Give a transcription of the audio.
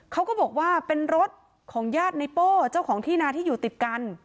เขาก็บอกว่าเป็นรถของญาติในโป้เจ้าของที่นาที่อยู่ติดกัน